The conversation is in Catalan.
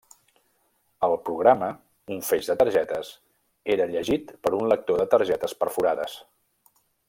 El programa, un feix de targetes, era llegit per un lector de targetes perforades.